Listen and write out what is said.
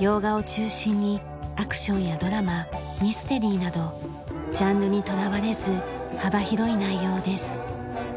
洋画を中心にアクションやドラマミステリーなどジャンルにとらわれず幅広い内容です。